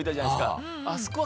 あそこは。